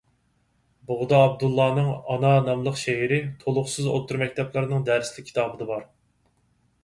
بۇغدا ئابدۇللانىڭ «ئانا» ناملىق شېئىرى تولۇقسىز ئوتتۇرا مەكتەپلەرنىڭ دەرسلىك كىتابىدا بار.